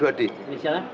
staf ya staf golongan dua d